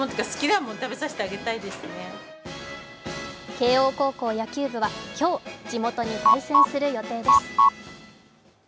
慶応高校野球部は今日、地元に凱旋する予定です。